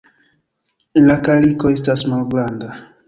La kaliko estas malgranda.